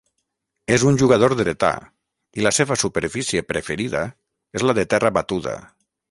És un jugador dretà i la seva superfície preferida és la de terra batuda.